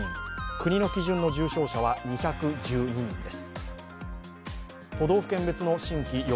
国の基準の重症者は２１２人です。